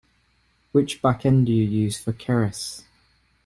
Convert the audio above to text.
Which backend do you use for Keras?